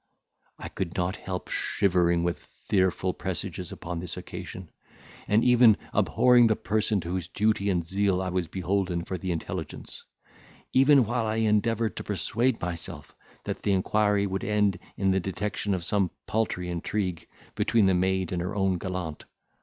I could not help shivering with fearful presages upon this occasion, and even abhorring the person to whose duty and zeal I was beholden for the intelligence, even while I endeavoured to persuade myself that the inquiry would end in the detection of some paltry intrigue between the maid and her own gallant.